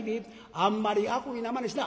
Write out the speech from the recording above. あんまりアコギなまねしな。